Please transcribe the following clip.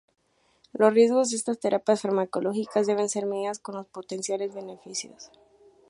Los riesgos de estas terapias farmacológicas deben ser medidas con los potenciales beneficios.